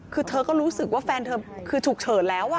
คือเธอก็รู้สึกว่าแฟนเธอคือฉุกเฉินแล้ว